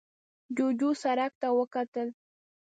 جوجو سرک ته وکتل.